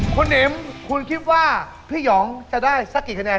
คุณหิมคุณคิดว่าพี่หยองจะได้สักกี่คะแนน